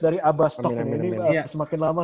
dari abastok semakin lama